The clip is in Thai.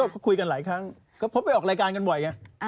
ก็คุยกันหลายครั้งก็พบไปออกรายการกันบ่อยไง